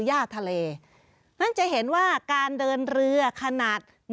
ย่าทะเลนั้นจะเห็นว่าการเดินเรือขนาด